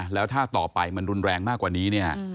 แล้วถ้าต่อไปมันรุนแรงมากกว่านี้เนี่ย